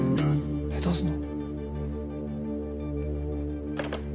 えっどうすんの？